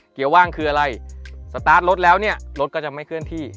เกียร์ว่างคืออะไรสตาร์ทรถแล้วเนี่ยรถก็จะไม่เคลื่อนที่